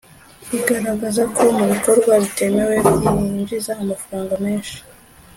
igaragaza ko mu bikorwa bitemewe byinjiza amafaranga menshi